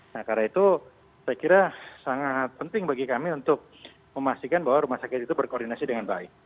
nah karena itu saya kira sangat penting bagi kami untuk memastikan bahwa rumah sakit itu berkoordinasi dengan baik